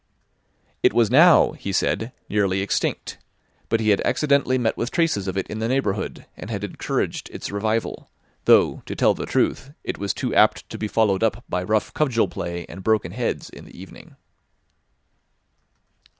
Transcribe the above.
"It was now," he said, "nearly extinct, but he had accidentally met with traces of it in the neighbourhood, and had encouraged its revival; though, to tell the truth, it was too apt to be followed up by rough cudgel play and broken heads in the evening."